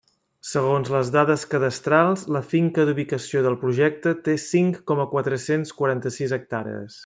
Segons les dades cadastrals la finca d'ubicació del Projecte té cinc coma quatre-cents quaranta-sis hectàrees.